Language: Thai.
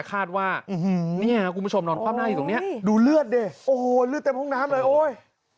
คาดว่าเนี่ยคุณผู้ชมนอนคว่ำหน้าอยู่ตรงนี้ดูเลือดดิโอ้โหเลือดเต็มห้องน้ำเลยโอ๊ย